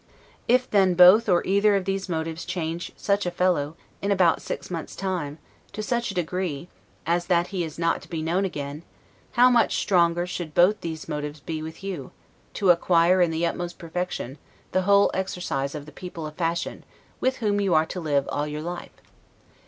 If then both or either of these motives change such a fellow, in about six months' time, to such a degree, as that he is not to be known again, how much stronger should both these motives be with you, to acquire, in the utmost perfection, the whole exercise of the people of fashion, with whom you are to live all your life?